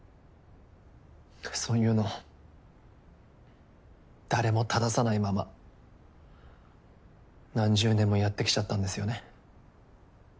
何かそういうの誰も正さないまま何十年もやってきちゃったんですよね。